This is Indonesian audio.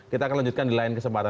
kita akan lanjutkan di lain kesempatan